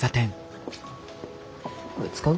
これ使う？